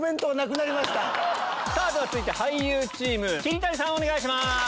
続いて俳優チーム桐谷さんお願いします。